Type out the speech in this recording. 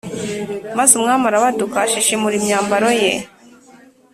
Maze umwami arabaduka ashishimura imyambaro ye